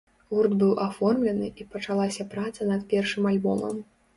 Гурт быў аформлены, і пачалася праца над першым альбомам.